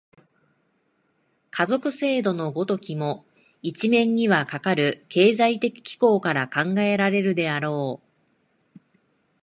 家族制度の如きも、一面にはかかる経済的機構から考えられるであろう。